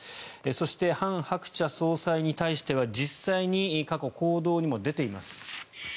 そしてハン・ハクチャ総裁に対しては実際に過去、行動にも出ています。